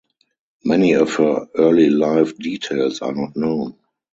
Many of her early life details are not known.